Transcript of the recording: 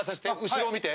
後ろを見て。